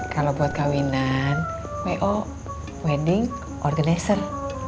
kalau buat kawinan w o wedding organizer